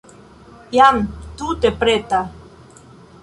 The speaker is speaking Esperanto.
Jam tute preta.